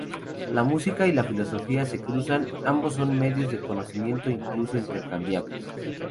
La música y la filosofía se cruzan, ambos son medios de conocimiento, incluso intercambiables.